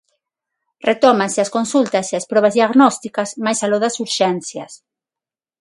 Retómanse as consultas e as probas diagnósticas máis aló das urxencias.